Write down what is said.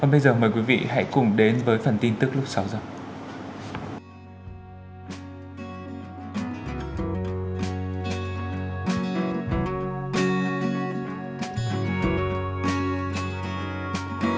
và bây giờ mời quý vị hãy cùng đến với phần tin tức lúc sau rồi